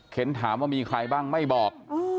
ถามว่ามีใครบ้างไม่บอก